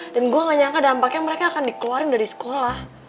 dan gue gak nyangka dampaknya mereka akan dikeluarin dari sekolah